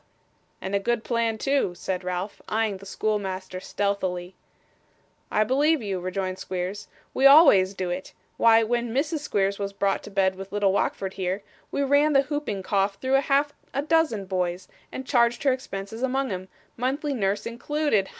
'And a good plan too,' said Ralph, eyeing the schoolmaster stealthily. 'I believe you,' rejoined Squeers. 'We always do it. Why, when Mrs Squeers was brought to bed with little Wackford here, we ran the hooping cough through half a dozen boys, and charged her expenses among 'em, monthly nurse included.